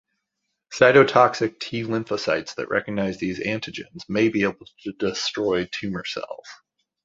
Cytotoxic T lymphocytes that recognize these antigens may be able to destroy tumor cells.